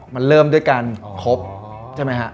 มันเริ่มด้วยการคบใช่ไหมฮะ